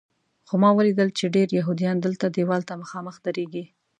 خو ما ولیدل چې ډېر یهودیان دلته دیوال ته مخامخ درېږي.